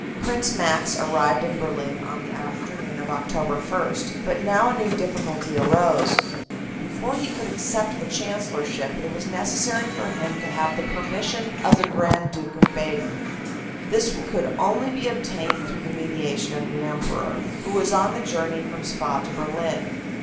"Prince Max arrived in Berlin on the afternoon of Oct. 1, but now a new difficulty arose. Before he could accept the Chancellorship it was necessary for him to have the permission of the Grand Duke of Baden. This could only be obtained through the mediation of the Emperor, who was on the journey from Spa to Berlin.